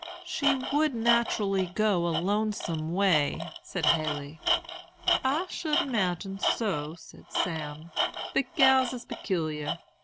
"'She would naturally go a lonesome way,' said Haley. "'I should 'magine so,' said Sam; 'but gals is pecular.